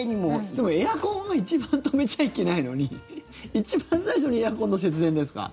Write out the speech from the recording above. でもエアコンが一番止めちゃいけないのに一番最初にエアコンの節電ですか？